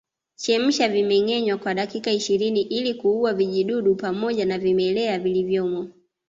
Chemsha vimengenywa kwa dakika ishirini ili kuua vijidudu pamoja na vimelea vilivyomo